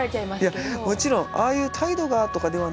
いやもちろんああいう態度がとかではなくてね